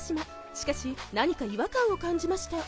しかし何か違和感を感じました